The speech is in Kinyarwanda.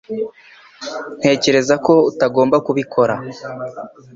Ntekereza ko utagomba kubikora